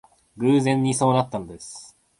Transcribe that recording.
偶然にそうなったのです